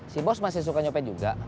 si bos masih suka nyopet juga